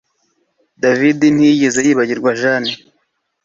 David ntiyigeze yibagirwa Jane